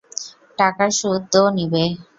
টাকার সুদ ও নিবে!